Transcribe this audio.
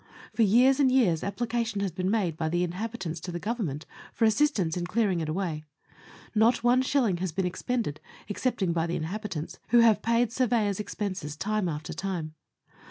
For years and years application has been made by the inhabitants to the Government for assistance in clearing it away. Not one shilling has been ex pended, excepting by the inhabitants, who have paid surveyors' expenses time after time.